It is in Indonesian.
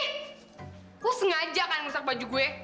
lu sengaja kan merusak baju gue